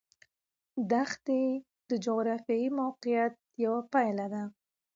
دښتې د جغرافیایي موقیعت یوه پایله ده.